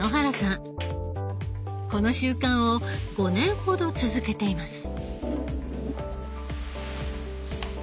この習慣を５年ほど続けています。